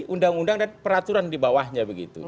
undang undang dan peraturan dibawahnya begitu